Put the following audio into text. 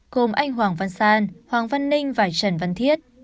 gồm anh hoàng văn san hoàng văn ninh và trần văn thiết